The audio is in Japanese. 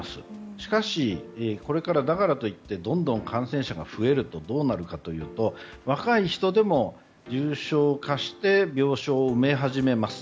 しかし、これからどんどん感染者が増えるとどうなるかというと若い人でも重症化して病床を埋め始めます。